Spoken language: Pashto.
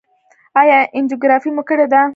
ایا انجیوګرافي مو کړې ده؟